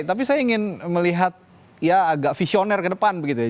tapi saya ingin melihat ya agak visioner ke depan begitu ya